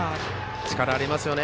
力がありますよね。